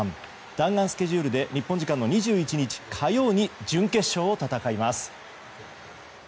弾丸スケジュールで日本時間の２１日火曜に準決勝を戦います。